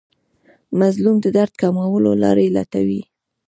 مظلوم د درد کمولو لارې لټوي.